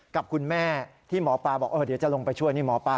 กับคุณแม่ที่หมอปลาบอกเดี๋ยวจะลงไปช่วยนี่หมอปลา